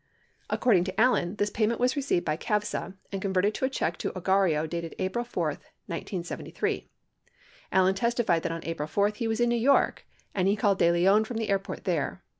62 According to Allen, this payment was received by CAVSA and converted to a check to Ogarrio dated April 4, 1973. Allen testified that on April 4 he was in New York, and he called De Leon from the air port there.